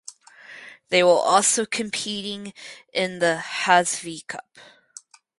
They will also competing in the Hazfi Cup.